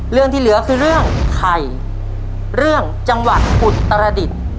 เรื่องที่เหลือคือเรื่องไข่เรื่องจังหวัดอุตรดิษฐ์